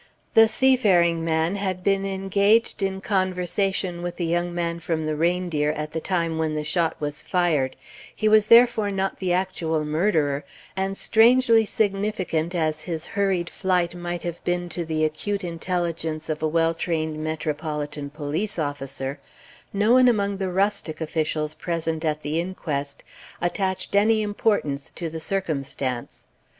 The seafaring man had been engaged in conversation with the young man from the Reindeer at the time when the shot was fired; he was therefore not the actual murderer; and, strangely significant as his hurried flight might have been to the acute intelligence of a well trained metropolitan police officer, no one among the rustic officials present at the inquest attached any importance to the circumstance.